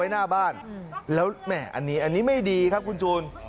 หน้าบ้านแล้วแหม่อันนี้อันนี้ไม่ดีครับคุณจูน